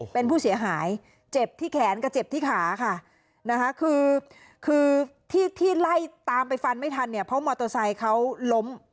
เป็นผู้เสียหายเจ็บที่แขนกับเจ็บที่ขาค่ะนะคะคือคือที่ที่ไล่ตามไปฟันไม่ทันเนี่ยเพราะมอเตอร์ไซค์เขาล้ม